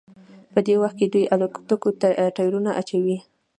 په دې وخت کې دوی الوتکو ته ټیرونه اچوي